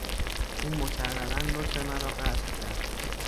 او مکررا نطق مرا قطع کرد.